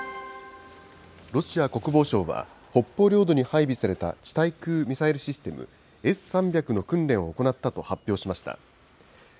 ロシア国防省は、北方領土に配備された地対空ミサイルシステム、Ｓ３００の訓練を行ったと発表しました。